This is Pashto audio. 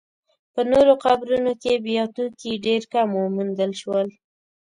په نورو قبرونو کې بیا توکي ډېر کم وموندل شول.